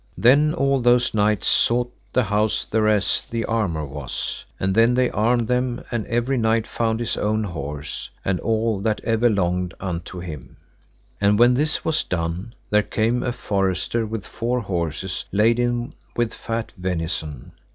Then all those knights sought the house thereas the armour was, and then they armed them, and every knight found his own horse, and all that ever longed unto him. And when this was done, there came a forester with four horses laden with fat venison.